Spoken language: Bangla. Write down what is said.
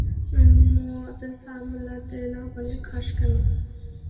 মদ সামলাতে না পারলে খাস কেন?